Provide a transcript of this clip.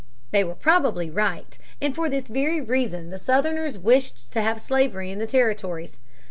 They were probably right, and for this very reason the Southerners wished to have slavery in the territories.